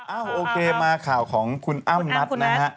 โอเคมาข่าวของคุณอ้ำนัทนะฮะ